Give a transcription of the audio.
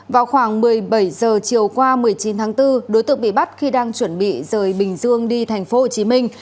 vào khoảng một mươi bảy giờ chiều qua một mươi chín tháng bốn đối tượng bị bắt khi đang chuẩn bị rời bình dương đi thành phố hồ chí minh